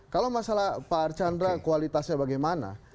kalau masalah pak archandra kualitasnya bagaimana